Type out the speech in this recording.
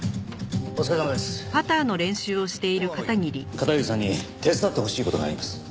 片桐さんに手伝ってほしい事があります。